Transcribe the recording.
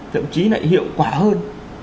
thậm chí lại hiệu quả hơn